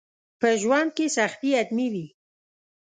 په ژوند کي سختي حتمي وي.